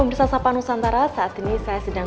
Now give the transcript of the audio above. bahwa sistem pengeluaran potensi sesuai jadi